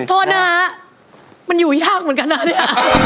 โทษนะฮะมันอยู่ยากเหมือนกันนะเนี่ย